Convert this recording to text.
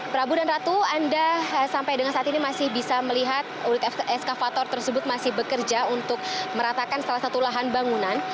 prabu dan ratu anda sampai dengan saat ini masih bisa melihat unit eskavator tersebut masih bekerja untuk meratakan salah satu lahan bangunan